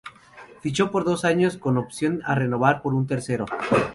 Ficho por dos años con opción a renovar por un tercero.